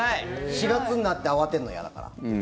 ４月になって慌てるの嫌だから。